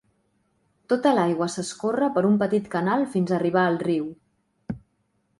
Tota l'aigua s'escorre per un petit canal fins a arribar al riu.